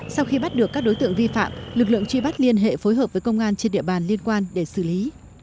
sau khi bắt được các đối tượng vi phạm lực lượng truy bắt liên hệ phối hợp với công an trên địa bàn liên quan để xử lý